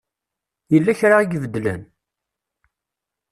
Yella kra i ibeddlen?